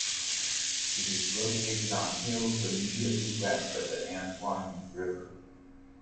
It is located on hills immediately west of the Antoine River.